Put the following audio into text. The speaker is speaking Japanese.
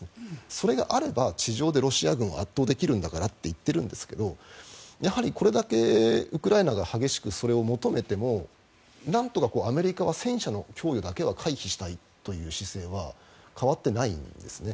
それがあれば地上でロシア軍を圧倒できるんだからと言っているんですがウクライナ軍が激しくそれを求めてもなんとかアメリカは戦車の供与は回避したいという姿勢は変わっていないんですね。